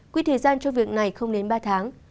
quy thời gian cho việc này không đến ba tháng